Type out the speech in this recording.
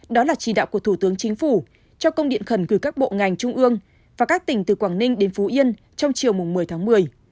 đó là chỉ đạo của thủ tướng chính phủ cho công điện khẩn gửi các bộ ngành trung ương và các tỉnh từ quảng ninh đến phú yên trong chiều một mươi tháng một mươi